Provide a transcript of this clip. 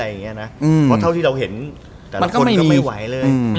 แต่ร